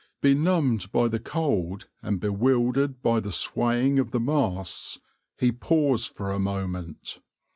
Benumbed by the cold and bewildered by the swaying of the masts, he paused for a moment.